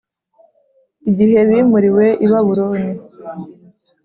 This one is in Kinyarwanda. igihe bimuriwe i Babuloni